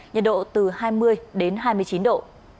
nhiệt độ từ hai mươi đến hai mươi chín độ